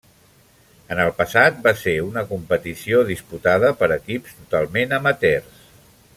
En el passat, va ser una competició disputada per equips totalment amateurs.